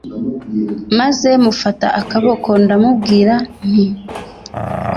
maze mufata akaboko ndamubwira nti